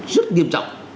rất nghiêm trọng